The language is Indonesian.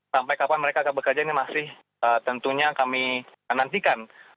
sampai kapan mereka akan bekerja ini masih tentunya kami nantikan